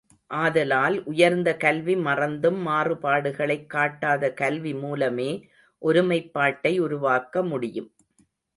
ஆதலால் உயர்ந்த கல்வி மறந்தும் மாறுபாடுகளைக் காட்டாத கல்வி மூலமே ஒருமைப்பாட்டை உருவாக்க முடியும்.